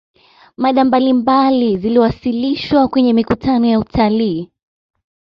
mada mbalimbali ziliwasilishwa kwenye mikutano ya utalii